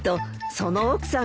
その奥さん